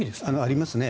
ありますね。